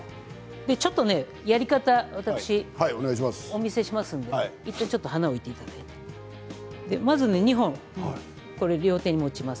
やり方、私をお見せしますんで一度、花を置いていただいてまず２本、両手に持ちます。